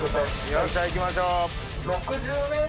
よっしゃいきましょう。